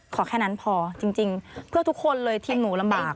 ขอแค่นั้นพอจริงเพื่อทุกคนเลยทีมหมูลำบาก